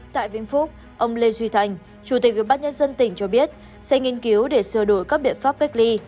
tại vĩnh phúc ông lê duy thành chủ tịch ubnd tỉnh cho biết sẽ nghiên cứu để sửa đổi các biện pháp cách ly